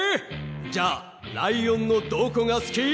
じゃあライオンのどこがすき？